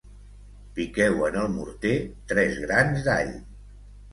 Piqueu en el morter tres grans d'all